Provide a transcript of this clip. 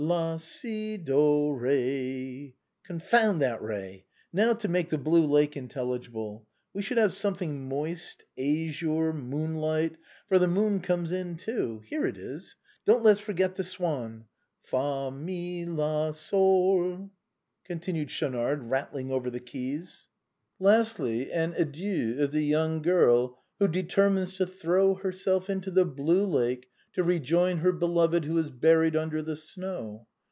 La, si, do, re. Confound that re ! Now to make the blue lake intelligible. We should have something moist, azure, moonlight — for the moon comes in too; here it is; don't let's forget the swan. Fa, mi, la, sol," continued Schaunard, rattling over the keys. " Lastly, the adieu of the young girl, who de termines to throw herself into the blue lake, to rejoin her beloved who is buried under the snow.